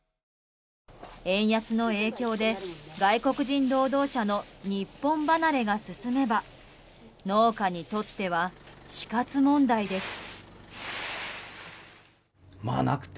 円安の影響で、外国人労働者の日本離れが進めば農家にとっては死活問題です。